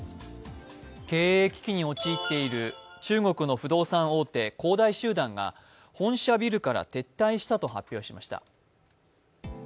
経営危機に陥っている中国の不動産大手、恒大集団が本社ビルから撤退したと発表しました。